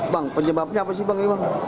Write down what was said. bang penyebabnya apa sih bang gimana